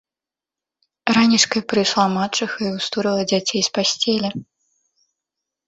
Ранічкай прыйшла мачыха і ўстурыла дзяцей з пасцелі